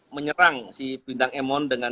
menyerang bintang emon dengan